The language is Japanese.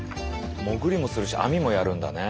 潜りもするし網もやるんだね。